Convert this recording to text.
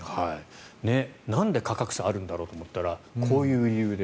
なんで価格差があるんだろうと思ったらこういう理由で。